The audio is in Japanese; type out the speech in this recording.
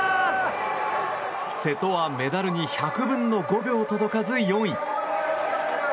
瀬戸はメダルに１００分の５秒届かず４位。